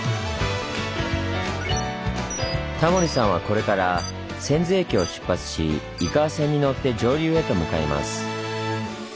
タモリさんはこれから千頭駅を出発し井川線に乗って上流へと向かいます。